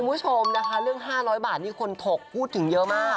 คุณผู้ชมนะคะเรื่อง๕๐๐บาทนี่คนถกพูดถึงเยอะมาก